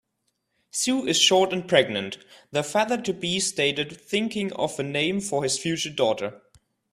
"Sue is short and pregnant", the father-to-be stated, thinking of a name for his future daughter.